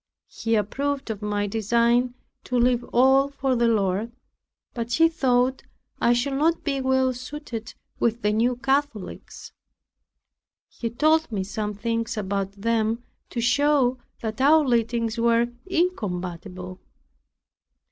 He approved of my design to leave all for the Lord; but he thought I should not be well suited with the New Catholics. He told me some things about them, to show that our leadings were incompatible.